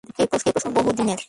এ প্রশ্ন বহুদিনের।